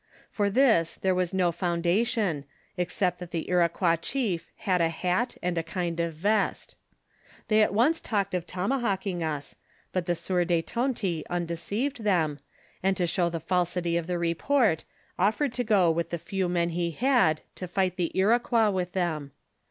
For this there was no foundation, except that the Iroquois chief had a hat and a kind of vest. They at once talked of tomahawking us, but the sieur de Tonty undeceived them, and to show the falsity of the report, offered to go with the few men he had to fight the Iroquois with them.